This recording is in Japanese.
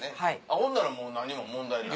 ほんだらもう何にも問題ない。